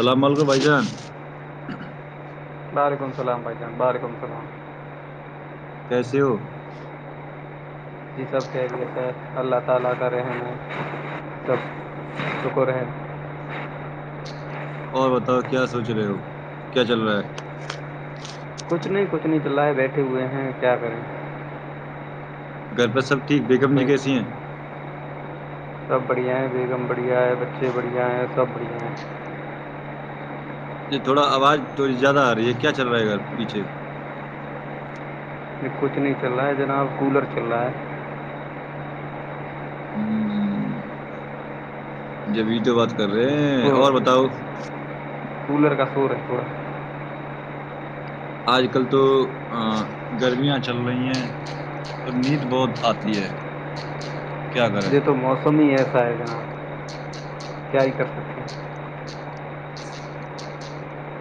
اللام علکو بھائی جان وعلیکم السلام بھائی جان وعلیکم السلام کیسے ہو [unintelligible] اور بتاؤ کیا سوچ رہے ہو کیا چل رہا ہے کچھ نہیں کچھ نہیں چللا ہے بیٹھے ہوئے ہیں کیا کریں گرب سب ٹھیک بیکم جی کوئی کیسی ہیں سب بڑھیا ہے بیگم بڑھیا ہے بچے بڑھیا ہیں سب بڑھیا ہیں یہ تھوڑا آواز تھوڑی زیادہ آ رہی ہے کیا چل رہا ہے ا گ پیچھے نہیں کچھ نہیں چل رہا ہے جناب کولر چل رہا ہے ہوں ج بی تو بعد کر رہے تو اور بتاؤ کولر کا سور ہے تھوڑا آج کل تو گرمیاں چل رہی ہیں اور نیند بہت آتی ہے کیا کریں یہ تو موسم ہی ہے جنا کیا یہ کر سکتے ہیں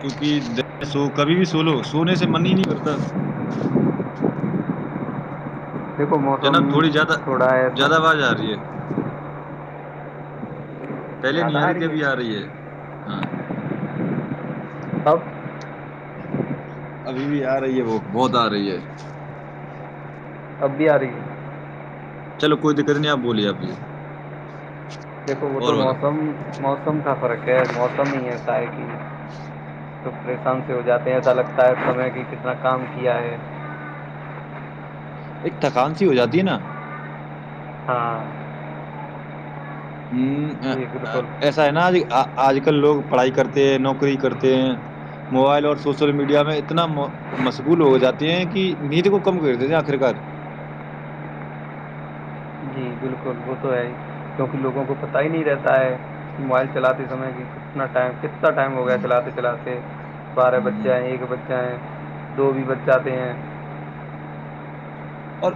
کیونکہ سو کبھی بھی سو لو سونے سے من ہی نہیں کرتا دیکھو موسم جناب تھوڑی زیادہ تھوڑا ہے ایسا زیادہ آواز آ رہی ہے پہلے نہیاری ت ابھی آ رہی ہے ہاں ہؤ ابھی بھی آ رہی ہے وہ بہت آ رہی ہے ابھی آ رہی ہے چلو کوئی دقت نہیں آپ بولیے ابھی دیکھو وہ تو موسم موسم کا فرق ہے خ موسم ہی ایسا ہے کہ تو پریشان سے ہو جاتے ہیں ایسا لگتا ہے سے کہ کتنا کام کیا ہے ایک تھکان سی ہو جاتی ہے نا ہاں ہ جی بالکل ایسا ہے نا جی آ آج کل لوگ پڑھائی کرتے ہیں نوکری کرتے ہیں موبائل اور سوشل میڈیا میں اتنا مشغول ہو جاتے ہیں کہ نیند کو کم کر دیتے آخر کار جی بالکل وہ تو ہے کیونکہ لوگوں کو پتہ ہی نہیں رہتا ہے موبائل چلاتے سمے کی کتنا ٹائم کتنا اا ٹائم ہو گیا ہے ہوں، چلاتے چلاتے بارہ ہوں۔ بچے ہیں ایک بچہ ہے دو بھی ب جاتے ہیں اور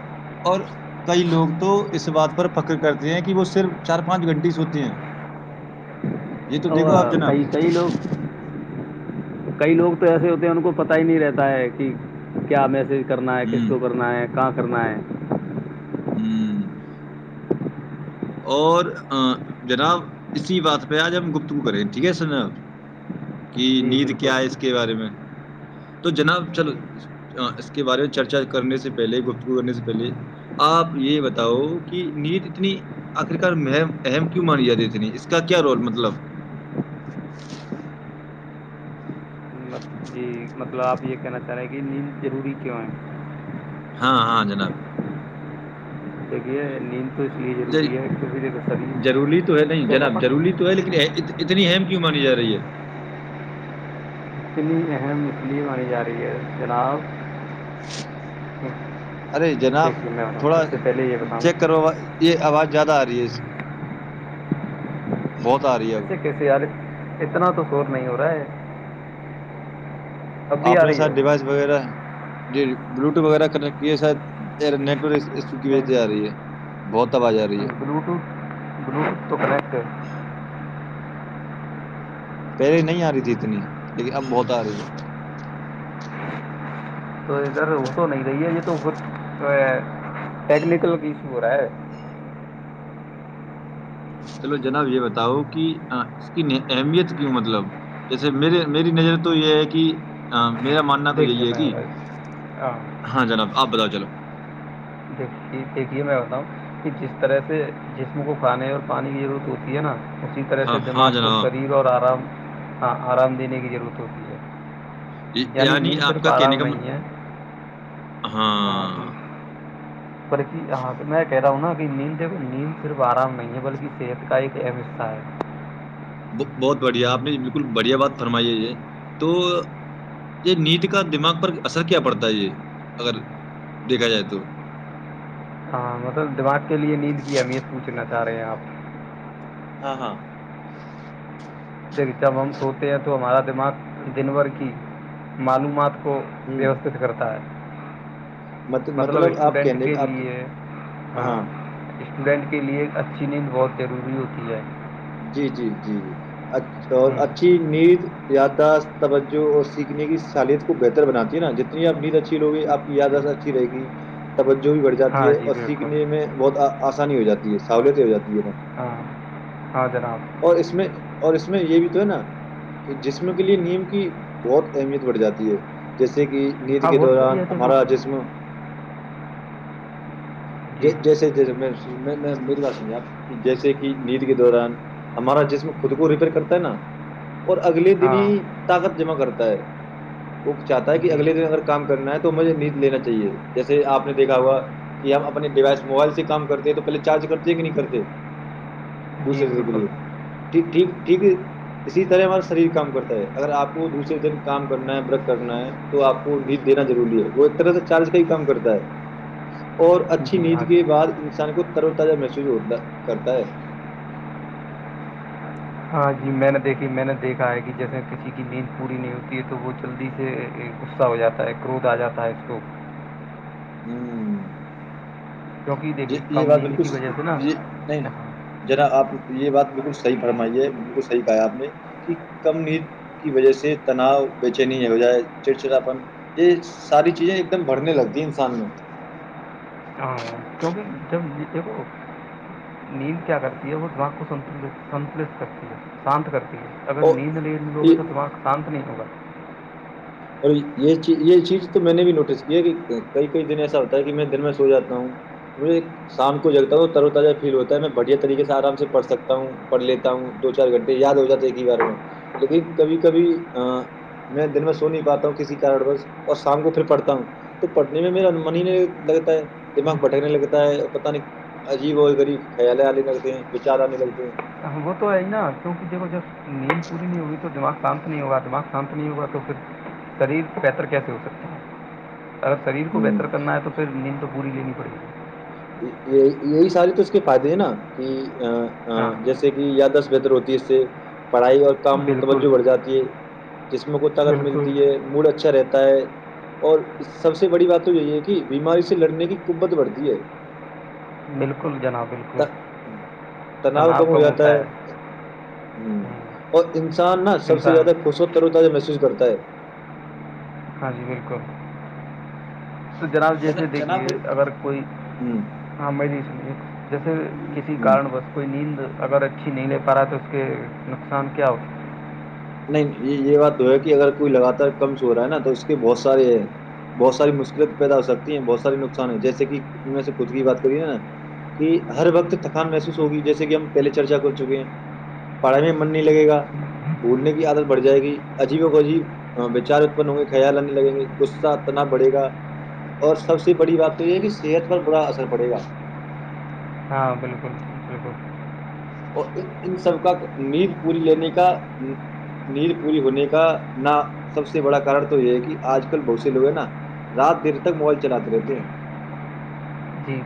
اور کئی لوگ تو اس بات پر فخر کرتے ہیں کہ وہ صرف چار پانچ گھنٹی س ہوتی ہیں یہ تو تو دیکھو آپ اور جناب کئی کئی لوگ کئی لوگ تو ایسے ہوتے ہیں ان کو پتا ہی نہیں رہتا ہے کہ کیا میسج کرنا ہے کس ہوں کو کرنا ہے کہاں کرنا ہے ہوں اور جناب اسی بات پہ آج ہم گپتگو کریں ٹھیک ہے سناب کہ جی نیند بالکل کیا ہے اس کے بارے میں تو جناب چل جی اس کے بارے میں چرچا کرنے سے پہلے گفتگو کرنے سے پہلے آپ یہ بتاؤ کہ نیت اتنی آخر کار م اہم کیوں مان ج دیتنی اس کا کیا رول مطلب مط- جی مطلب آپ یہ کہنا چاہ رہے ہیں کہ نیند ضروری کیوں ہے ہاں ہاں جناب ج دک ہے نین جی ضروری تو ہے نہیں جب جناب اپن روری تو ہے لیکن اتنا اتنی ام کیوں مانی جا رہی ہے اتنی اہم مچھلی مانی جا رہی ہے جناب ارے جناب دیکھیے میں تھوڑا سب سے پہلے یہ بتاؤں چیک کرو یہ آواز زیادہ آ کرری اب ایسے کیسے یار اتنا تو کور نہیں ہو رہا ہے اب بھی آ اپنے رہی ساتھ ہے ڈیوائس وغیرہ جی بلوٹوتھ وغیرہ کن یہ شاید نیٹور اس کی وجہ سے آ رہی ہے بہت آواز آ رہی ہے بلوٹوتھ بلوٹوتھ تو کنیکٹ پہلے نہیں آ رہی تھی اتنی لیکن اب بہت آ رہی ہے وہ تو نہیں رہی ہے یہ تو ٹیکنیکل ایشو ہو رہا ہے چلو جناب یہ بتاؤ کہ اس کی اہمیت کیوں مطلب جیسے میرے میری نظر تو یہ ہے کہ میرا ماننا تو یہی دیکھیے ہے میں کہ ہو رہا ہاں جناب ابتا چلو دیک دیکھیے میں بتا ہوں کہ جس طرح سے جسم کو کھانے اور پانی کی ضرورت ہوتی ہے نا اسی طرح سے ہاں ہاں دماغ کو جناب شریر اور آرام ہاں آرام دینے کی ضرورت ہوتی ہے یعنی نیند آپ صرف کا کہنے آرام کا م نہیں ہے ہاں بلکہ ہاں میں کہہ رہا ہنا کہ نیند نیند صرف آرام میں ہے بلکہ صحت کا ایک اہم حصہ ہے بہت بڑھیا آپ نے بالکل بڑھیا بات فرمائی ہے یہ تو یہ نید کا دماغ پر اثر کیا پڑتا ہے یہ اگر دیکھا جائے تو ہاں مطلب دماغ کے لیے نیند کی اہمیت پوچھنا رہ آپ [unintelligible] ہاں ہاں د جب ہم سوتے ہیں تو ہمارا دماغ دن بھر کی معلومات کو ہوں ووستت کرتا ہے [unintelligible] مت- مطلب آپ اسٹوڈنٹ کہنے کے آپ لیے ہاں اسٹوڈینٹ کے لیے اچھی نیند بہت ضروری ہوتی ہے جی جی جی جی اچھا اور ہوں اچھی نید یاداشت توجہ اور سیکھنے کی صالحیت کو بہتر بناتی ہے نا جتنی ا نمید اچھی لوگی آپ کی جی یاداشت اچھی رہے گی توجہ بھی بڑ ہاں جاتی ہے جی اور بالکل سیکھنے میں بہت آسان انی ہواتی ہے سہولت ہو جاتی جے تھاا ہاں ہاں جناب اور اس میں یہ بھی تو ہے نا کہ جسم کے لیے نیم کی بہت اہمیت بڑھ جاتی ہے جیسے ج کی نیند ہاں کے بہت دوران صحیح ہے دیکھو ہمارا جسم [inaudible] جی جیسے جیسے میں میری بات سجے آپ کہ جیسے کہ نیند کے دوران ہمارا جسم خود کو ریپئر کرتا ہے نا اور اگلے دن ہی ہاں طاقت جمع کرتا ہے وہ چاہتا ہے کہ جی اگلے دن اگر کام کرنا ہے تو مجھے نیند لینا چاہیے جیسے آپ نے دیکھا ہوا کہ ہم اپنے اپنے ڈیوائس موبائل سے کام کرتے ہیں تو پہلے چارج کرتے ہیں کہ نہیں کرتے جی دوسر جز کے بالکل لیے ٹھیک ٹھیک ٹھیک ہے اسی طرح ہمارا شریر کام کرتا ہے اگر آپ کو دوسرے دن کام کرنا ہے برک کرنا ہے تو آپ کو نید دینا ضروری ہے وہ ایک طرح سے چارج کا ہی کام کرتا ہے اور اچھا جی ہاں نیند جی کے بعد انسان کو تروتاجہ محسوس تا کرتا ہے ہاں جی میں نے دیکھی میں نے دیکھا ہے کہ جیسے کسی کی نیند پوری نہیں ہوتی ہے تو وہ جلدی سے غصہ ہو جاتا ہے گروھ آ جاتا ہے اس کو ہوں کیونکہ ج دیکھیے یہ کم بات نیند بالکل کی وجہ سے نا یہ نہیں جناا آپ [unintelligible] یہ بات بالکل صحیح فرمائیے بالکل صحیح کہا آپ نے کہ کم نیند کی وجہ سے تناؤ بیےچین ہو جائے چڑچڑاپن یہ ساری چیزیں ایک دم بڑنے لگتی انسان میں کیکہ جب دیکو نیند کیا کرتی ہے وہ دک کو سنتل کرتی ہے شانت کرتی ھ اگر اور نیند لے لو گے تو یہ دماغ شانت نہیں ہوگا اور یہ یہ چیز تو میں نے بھی نوٹس کی ہے کہ کئی کئی دن ایسا ہوتا ہے کہ میں دن میں سو جاتا ہوںے شام کو جگتا ہوں تروتاجہ فیل ہوتا ہے میں بڑھیا طریقے سے آرام سے پڑھ سکتا ہوں پڑھ لیتا ہوں دو چار گھنٹے یاد ہو جاتا ایک ہی بار میں لیکن کبھی کبھی میں دن میں سو نہیں پاتا ہوں کسی کار بس اور شام کو پھر پڑھتا ہوں تو پڑنے میں میرا من ہی نہیں لگتا ہے دماغ بھٹکنے لگتا ہے پتا نہیں عجیب اور غریب خیال آنے لگتے ہیں وچار آنے لگتے ہیں وہ تو ہے ہی نا کیونکہ دیکھو جب نیند پوری نہیں ہوگی تو دماغ شانت نہیں ہوگا دماغ شانت نہیں ہوگا تو پھر شریر پہ بہتر کیسے ہو سکتا ہے اگر شریر کو بہتر ہوں کرنا ہے تو پھر نیند تو پور لینی پڑے گی یہ یہی سارے تو اس کے فائدے ہیں نا کہ ہاں جیسے کہ یا دس بتر ہوتی کیسے پڑھائی اور کام بالکل توجہ بڑھ جاتی ہے جسم کو طاقت بالکل ملتی ہے موڈ اچھا رہتا ہے اور سب سے بڑی بات تو یہی ہے کہ بیماری سے لڑنے کی کب قوت بڑھتی ہے بالکل جناب ت بالکل تناؤ کم ہو جاتا ہے ہو ہوں، اور انسان نا سب سے انسان زیادہ خوش وترتاجا محسوس کرتا ب ہے [unintelligible] ہاں جی بالکل تو جناب جیسے ج جناب دیکھیے اگر کوئی ہ ہاں میں نہیں سج جیسے کسی ہ کارن بس کوئی نیند اگر اچھی نہیں لے پا رہا تو اس کے نقصان کیا ہو نہیں یہ بات تو ہے کہ اگر کوئی لگاتار کم سو رہا ہے نا تو اس کے بہت سارے ہیں بہت ساری مشکلت پیدا ہو سکتی ہیں بہت سے نقصان ہے جیسےکے ہم ان میں سے خود کی بات کری ن نا کہ ہر وقت تھکان محسوس ہوگی جیسے کہ ہم پہلے چرچا کر چکے ہیں پڑھائی میں من نہیں لگے گا بھولنے کی عادت بڑھ جائے گی عجیبوں کو عجیب وچار اتپن ہوں گے خیال آنے لگیں گے غصہ تنا بڑے گا اور سب سے بڑی بات تو یہ ہے کہ صحت پر بڑا اثر پڑے گا ہاں بالکل بالکل اور ان سب کا نید پوری لینے کا نید پوری ہونے کا نہ سب سے بڑا کارن تو یہ ہے کہ آج کل بہت سے لوگ ہیں نا رات دیر تک موبائل چلاتے رہتے ہیں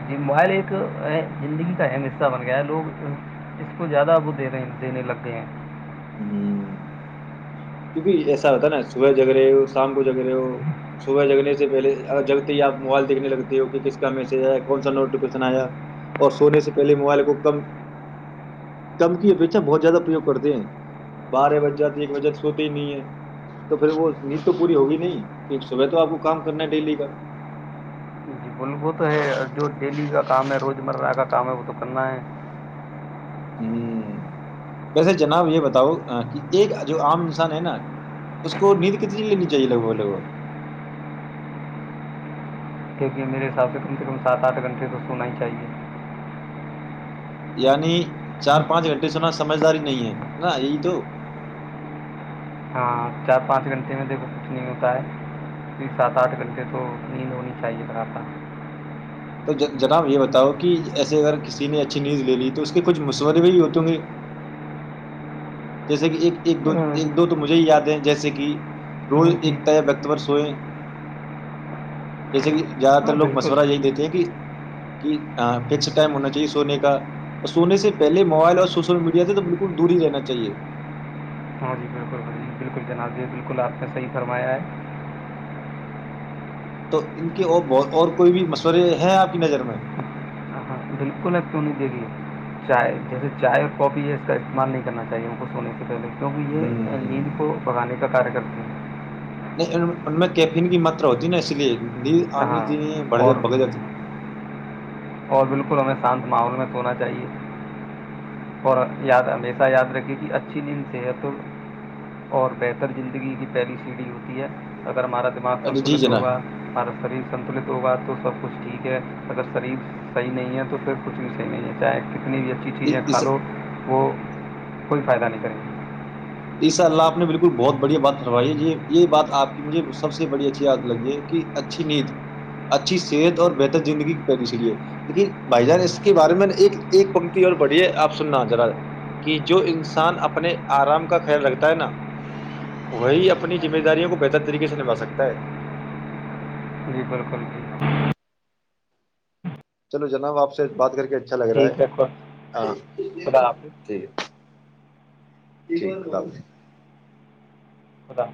جی موبائل ایک زندگی کا اہم حصہ بن گیا ہے لوگ اس کو زیادہ وہ دینے لگے ہیں ہ کیونکہ ایسا ہوتا ہے نا صبح جگ رہے ہو شام کو جگ رہے ہو صبح جگنے سے پہلے جگتے ہی آپ موبائل دیکھنے لگتے ہو کہ کس کا میسج آیا کون سا نوٹیفکیشن آیا اور سونے سے پہلے موبائل کو کم کم کی اپیشا بہت زیادہ پرایوگ کرتے ہیں بارہ بج جاتی ہے ایک بج جات سوتے ہی نہیں ہے تو پھر وہ نیند تو پوری ہوگی نہیں کہ صبح تو آپ کو کام کرنا ہے ڈیلی کا ب وہ تو ہے جو ڈیلی کا کام ہے روز مرہ کا کام ہے وہ تو کرنا ہے ہ ویسے جناب یہ بتاؤ کہ ایک جو عام انسان ہے نا اس کو نیند کتنی لینی چاہیے لگ بھگ لگ بھگ کیونکہ میرے حساب سے کم سے کم سات آٹھ گھنٹے تو سونا ہی چاہیے یعنی چار پانچ گھنٹے سنا سمجھداری نہیں ہے نا یہی تو ہاں چار پانچ گھنٹے میں دیکھو کچھ نہیں ہوتا ہے سات آٹھ گھنٹے تو نیند ہونی چاہیے تھاا تھا تو جناب یہ بتاؤ کہ ایے اگر کسی نے اچھی نیند لے لی تو اس کے کچھ مصورے بھی ہوتےوں گے د کہ ایک دو ایک دو تو مجھے ہی یاد ہے جیسے کہ روز ہاں جی ایکتا یا وقت و سوئےیں جیسے کہ زیادہ تر ہاں لوگ بالکل مشورہ یہی دیتے ہیں کہ کہ ہاں فکس ٹائم ہونا چاہیے سونے کا اور سونے سے پہلے موبائل اور سوشل میڈیا سے تو بالکل دور ہی رہنا چاہیے ہاں جی بالکل جی بالکل جناب بالکل آپ نے صحیح فرمایا ہے تو ان کے اور بت اور کوئی بھی مشورے ہیں آپ کی نظر میں ہاں بالکل ایٹرونک د لیے چائے جیسے چائے اور کاپی ہے اس کا استعمال نہیں کرنا چاہیے ہم کو سونے سے پہلے کیہ یہ ہوں نیند کو بھگانے کا قارعہ کرتا نہیں ان ان میں کیفین کی ماترا ہوتی ہیں نا اس لیے نی ہیں آنی ہاں جی بڑے ج اور بگ جای [unintelligible] اور بالکل ہمیں شانت ماحول میں سونا چاہیے اور یاد ہمیشہ یاد رکھے کہ اچھی دن صحت اور بہتر زندگی کی پہلی سیڑھی ہوتی ہے اگر ہمارا دماغ ارے جی سنٹولیت ہوگا جناب ہمارا شریر سنتلت ہوگا تو تو سب کچھ ٹھیک ہے اگر شریف صح نہیں ہے تو پھر کچھ بھی صح نہیں ہے چاہے اتنی بھی اچھی چیزیں کھا لو وہ کوئی فائدہ نہیں کرے نے بالکل بہت بڑھیا بات فروائی ہے یہ یہ بات آپ کی مجھے سب سے بڑی اچھی یاد لگی ہے کہ اچھی نیند اچھی صحت اور بہتر زندگی کی پہلی چڑی ہے لیکن بھائی جان اس کے بارے میں ایک پنکتی اور بڑھ ہے آپ سننا ذرا کہ جو انسان اپنے آرام کا لگتا ہے نا وہی اپنی ذمہ داریوں کو بہتر طریقے سے نھا سکتا ہے جی بالکل جی چلو جناب آپ سے بات کر کے اچھا لگ رہا ہے ہاں خدا حافظ ٹھیک ج ختا